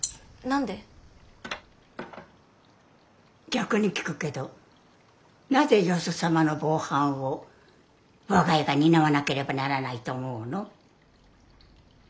逆に聞くけどなぜよそ様の防犯を我が家が担わなければならないと思うの？